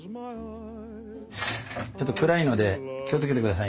ちょっと暗いので気をつけて下さいね。